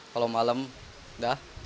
kalau malam udah